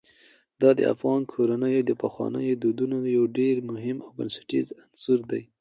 دا د افغان کورنیو د پخوانیو دودونو یو ډېر مهم او بنسټیز عنصر دی.